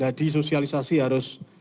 jadi sosialisasi harus